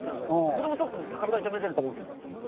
それもちょっと体痛めてると思うんですよね。